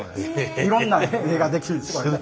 いろんな絵ができるんですね